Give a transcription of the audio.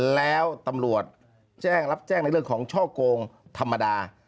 แล้วตำรวจแจ้งรับแจ้งในเรื่องของช่อโกงธรรมดา